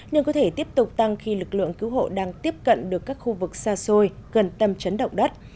nhưng có thể tiếp tục tăng khi lực lượng cứu hộ đang tiếp cận được các khu vực xa xôi gần tầm trấn động đất